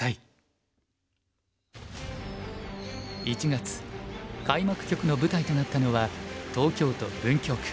１月開幕局の舞台となったのは東京都文京区。